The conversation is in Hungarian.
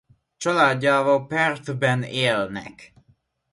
Családjával Perth-ben élnek.